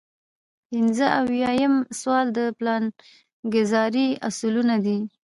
پنځه اویایم سوال د پلانګذارۍ اصلونه دي.